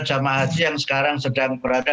jamaah haji yang sekarang sedang berada